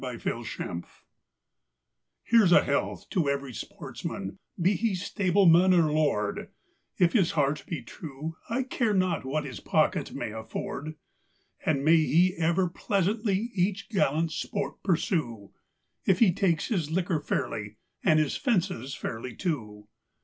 A Hunting Song Here's a health to every sportsman, be he stableman or lord, If his heart be true, I care not what his pocket may afford; And may he ever pleasantly each gallant sport pursue, If he takes his liquor fairly, and his fences fairly, too.